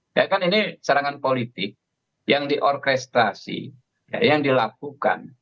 ya kan ini serangan politik yang diorkestrasi yang dilakukan